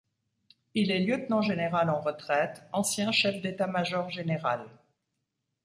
Il est lieutenant-général en retraite, ancien chef d'état-major général.